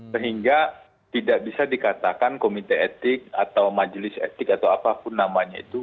sehingga tidak bisa dikatakan komite etik atau majelis etik atau apapun namanya itu